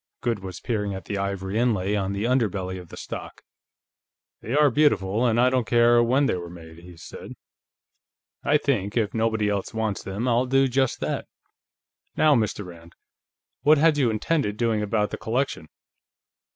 Goode was peering at the ivory inlay on the underbelly of the stock. "They are beautiful, and I don't care when they were made," he said. "I think, if nobody else wants them, I'll do just that.... Now, Mr. Rand, what had you intended doing about the collection?"